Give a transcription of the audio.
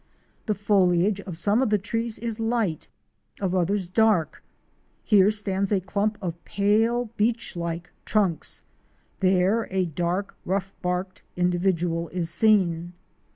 The foliage of some of the trees is light, of others dark; here stands a clump of pale beechlike trunks, there a dark, rough barked individual is seen.